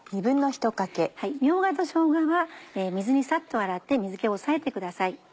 みょうがとしょうがは水にさっと洗って水気を押さえてください。